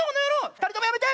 ２人ともやめて！